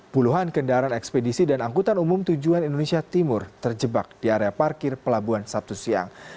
puluhan kendaraan ekspedisi dan angkutan umum tujuan indonesia timur terjebak di area parkir pelabuhan sabtu siang